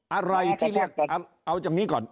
อะไรที่เลี่ยกเอาจากนี้ก่อน